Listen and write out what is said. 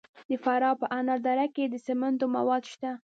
د فراه په انار دره کې د سمنټو مواد شته.